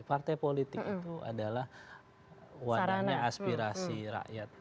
partai politik itu adalah warnanya aspirasi rakyat